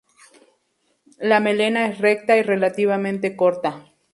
La melena es recta y relativamente corta.